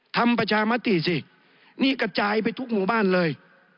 ทำประชามติสินี่กระจายไปทุกหมู่บ้านเลย